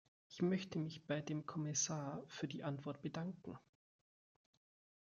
Ich möchte mich bei dem Kommissar für die Antwort bedanken.